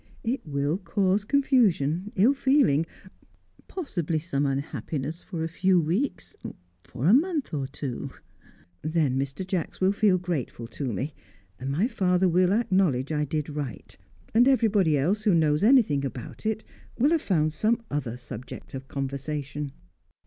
It will cause confusion, ill feeling, possibly some unhappiness, for a few weeks, for a month or two; then Mr. Jacks will feel grateful to me, and my father will acknowledge I did right; and everybody else who knows anything about it will have found some other subject of conversation."